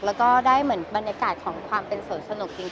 แล้วก็ได้เหมือนบรรยากาศของความเป็นสวนสนุกจริง